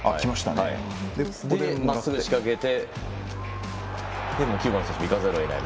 まっすぐ仕掛けて、９番の選手いかざるをえない。